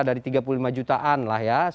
dari tiga puluh lima jutaan lah ya